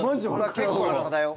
結構な差だよ。